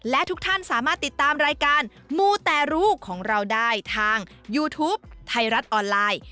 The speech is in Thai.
และทุกท่านสามารถติดตามรายการมูแต่รู้ของเราได้ทางยูทูปไทยรัฐออนไลน์